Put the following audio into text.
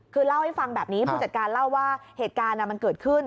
คือเล่าให้ฟังแบบนี้ผู้จัดการเล่าว่าเหตุการณ์มันเกิดขึ้น